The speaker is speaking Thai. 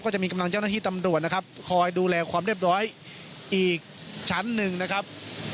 จะมีกำลังเจ้าหน้าที่ตำรวจนะครับคอยดูแลความเรียบร้อยอีกชั้นหนึ่งนะครับ